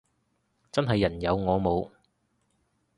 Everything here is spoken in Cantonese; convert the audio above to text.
真係人有我冇